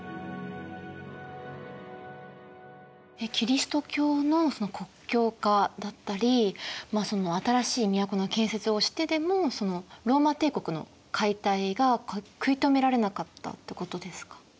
キリスト教のその国教化だったりまあその新しい都の建設をしてでもローマ帝国の解体が食い止められなかったってことですか。